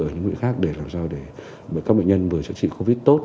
ở những vị khác để làm sao để các bệnh nhân vừa chữa trị covid tốt